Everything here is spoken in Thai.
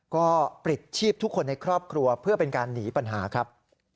ก็ปลิดชีพทุกคนในครอบครัวเพื่อเป็นการหนีปัญหาครับ